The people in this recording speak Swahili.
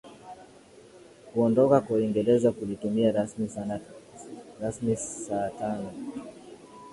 Kuondoka kwa Uingereza kulitimia rasmi saa tano